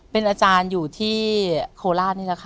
เป็นอาจารย์อยู่ที่โคราชนี่แหละค่ะ